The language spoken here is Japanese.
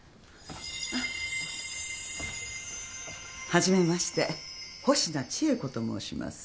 はじめまして保科千恵子と申します。